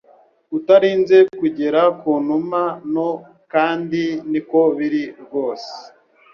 Utarinze kugera ku numa nto kandi niko biri rwose